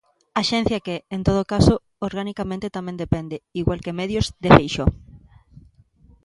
Axencia que, en todo caso, organicamente tamén depende, igual que Medios, de Feixóo.